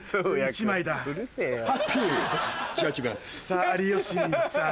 さぁ有吉さん。